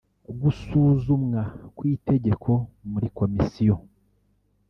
gusuzumwa kw’itegeko muri komisiyo